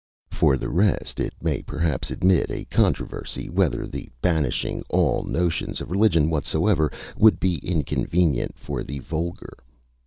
For the rest, it may perhaps admit a controversy, whether the banishing all notions of religion whatsoever would be inconvenient for the vulgar.